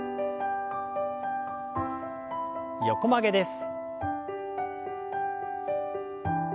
横曲げです。